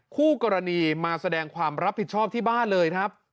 คู่กรณีมาแสดงความรับผิดชอบที่บ้านเลยครับ